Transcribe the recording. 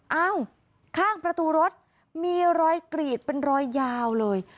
เอ้าข้างประตูรถมีรอยกรีดเป็นรอยยาวเลย